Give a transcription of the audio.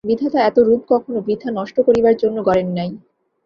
বিধাতা এত রূপ কখনো বৃথা নষ্ট করিবার জন্য গড়েন নাই।